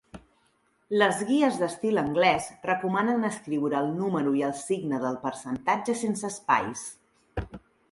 Les guies d'estil anglès recomanen escriure el número i el signe del percentatge sense espais.